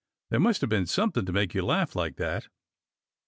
There must have been something to make you laugh like that."